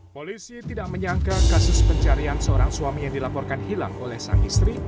polisi tidak menyangka kasus pencarian seorang suami yang dilaporkan hilang oleh sang istri